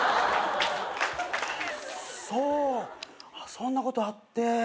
そんなことあって。